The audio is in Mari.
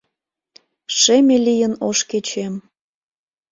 Шеме лийын ош кечем…